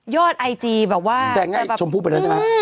ไอจีแบบว่าแซงให้ชมพู่ไปแล้วใช่ไหม